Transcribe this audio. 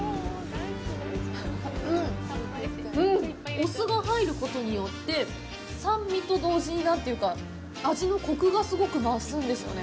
お酢が入ることによって、酸味と同時に味のコクがすごく増すんですよね。